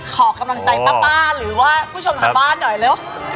ขอกำลังใจป้าหรือว่าผู้ชมทางบ้านหน่อยเร็ว